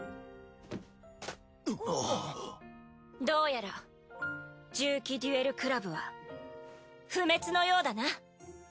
どうやら重騎デュエルクラブは不滅のようだな。